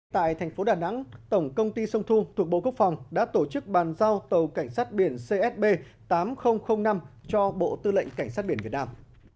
tại thành phố đà nẵng tổng công ty sông thu thuộc bộ quốc phòng đã tổ chức bàn giao tàu cảnh sát biển csb tám nghìn năm cho bộ tư lệnh cảnh sát biển việt nam